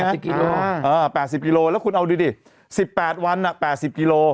สิบกิโลเออแปดสิบกิโลแล้วคุณเอาดูดิสิบแปดวันอ่ะแปดสิบกิโล